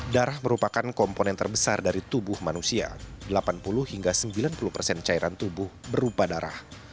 darah merupakan komponen terbesar dari tubuh manusia delapan puluh hingga sembilan puluh persen cairan tubuh berupa darah